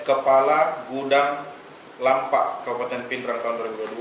kepala gudang lampak kabupaten pindrang tahun dua ribu dua puluh dua